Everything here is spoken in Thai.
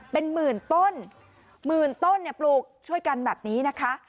เป็นหมื่นต้นหมื่นต้นเนี่ยปลูกช่วยกันแบบนี้นะคะ